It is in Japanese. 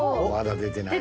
出てないね。